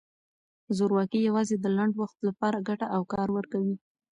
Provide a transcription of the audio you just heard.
زورواکي یوازې د لنډ وخت لپاره ګټه او کار ورکوي.